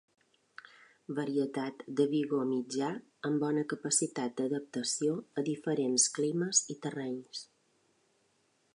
Varietat de vigor mitjà amb bona capacitat d'adaptació a diferents climes i terrenys.